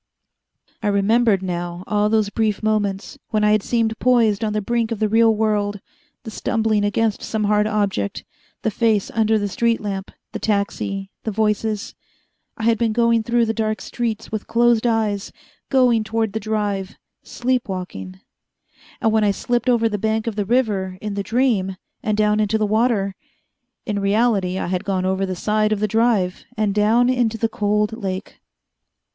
I remembered now all those brief moments, when I had seemed poised on the brink of the real world the stumbling against some hard object, the face under the street lamp, the taxi, the voices. I had been going through the dark streets, with closed eyes, going toward the Drive sleep walking. And when I slipped over the bank of the river, in the dream, and down into the water in reality I had gone over the side of the Drive, and down into the cold lake.